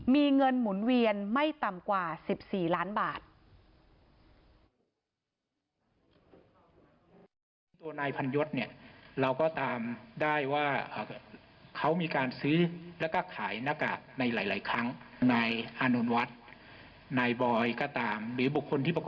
มีเงินหมุนเวียนไม่ต่ำกว่า๑๔ล้านบาท